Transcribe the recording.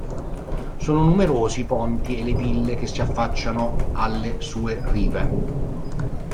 Sono numerosi i ponti e le ville che si affacciano alle sue rive.